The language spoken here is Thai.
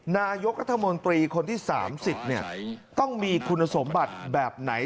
นายกรัฐมนตรีคนที่๓๐ต้องมีคุณสมบัติแบบไหน